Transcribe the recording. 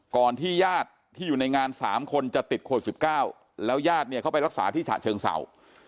ก่อนที่ญาติที่อยู่ในงาน๓คนจะติดโคลด๑๙แล้วยาดเข้าไปรักษาที่ฉะเชิงเสา